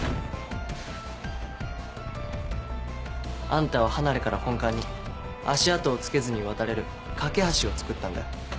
あんたは離れから本館に足跡を付けずに渡れる架け橋をつくったんだよ。